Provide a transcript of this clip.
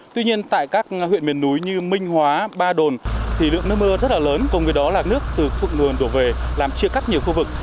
tuy nhiên tại các huyện miền núi như minh hóa ba đồn thì lượng nước mưa rất là lớn cùng với đó là nước từ thượng nguồn đổ về làm chia cắt nhiều khu vực